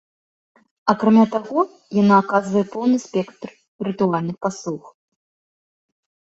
Акрамя таго, яна аказвае поўны спектр рытуальных паслуг.